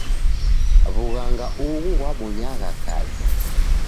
W'ughanga ughu ghwabonyagha kazi.